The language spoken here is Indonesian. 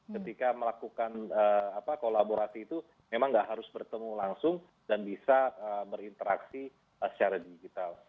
ketika melakukan kolaborasi itu memang nggak harus bertemu langsung dan bisa berinteraksi secara digital